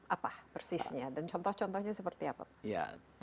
apa persisnya dan contoh contohnya seperti apa